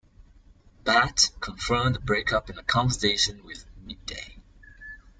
Bhatt confirmed the break-up in a conversation with "Mid-Day".